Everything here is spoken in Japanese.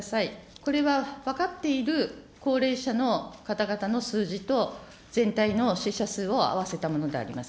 これは分かっている高齢者の方々の数字と全体の死者数を合わせたものであります。